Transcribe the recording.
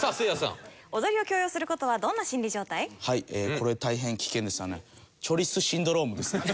これ大変危険ですよね。